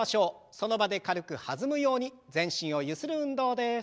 その場で軽く弾むように全身をゆする運動です。